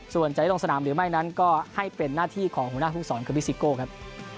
ส่วนจะได้ลงสนามหรือไม่นั้นก็ให้เป็นหน้าที่ของหัวหน้าภูมิสอนคือบิซิโก้ครับ